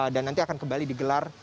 nanti akan kembali digelar